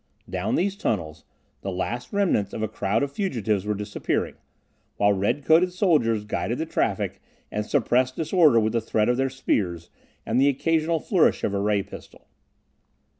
Down these tunnels the last remnants of a crowd of fugitives were disappearing, while red coated soldiers guided the traffic and suppressed disorder with the threat of their spears, and the occasional flourish of a ray pistol.